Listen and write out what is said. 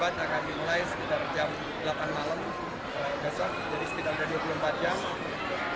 karena debat akan dimulai sekitar jam delapan malam besok jadi sekitar dua puluh empat jam